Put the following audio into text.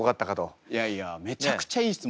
いやいやめちゃくちゃいい質問。